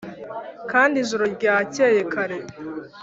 kandi ijoro ryakeye kare